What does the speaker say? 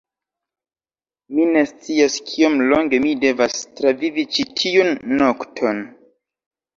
Mi ne scias kiom longe mi devas travivi ĉi tiun nokton.